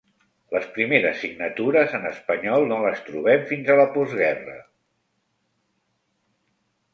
Les primeres signatures en espanyol no les trobem fins a la postguerra.